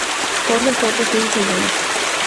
Jorge Soto fue su sobrino.